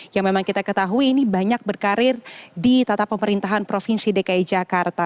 yang memang kita ketahui ini banyak berkarir di tata pemerintahan provinsi dki jakarta